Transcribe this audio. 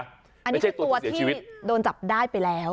อันนี้คือตัวที่โดนจับได้ไปแล้ว